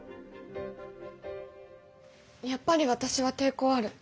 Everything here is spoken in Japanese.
やっぱり私は抵抗ある。